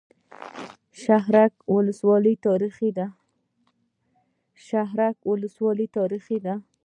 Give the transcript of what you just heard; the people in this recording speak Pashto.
شهرک ولسوالۍ تاریخي ده؟